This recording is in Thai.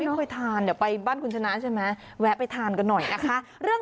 เคยทานเดี๋ยวไปบ้านคุณชนะใช่ไหมแวะไปทานกันหน่อยนะคะ